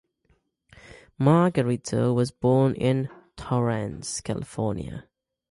Margarito was born in Torrance, California.